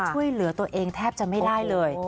ช่วยเหลือตัวเองแทบจะไม่ได้เลย